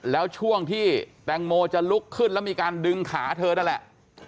แล้วช่วงที่แตงโมจะลุกขึ้นแล้วมีการดึงขาเธอนั่นแหละ